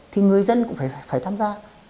thì người dân cũng phải tham gia